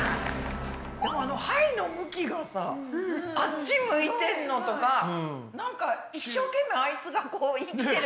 でもあの胚の向きがさあっち向いてんのとかなんか一生懸命あいつがこう生きてる感じ。